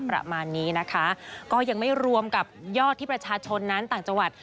ประมาณนี้นะคะก็ยังไม่รวมกับยอดที่ประชาชนนั้นต่างจังหวัด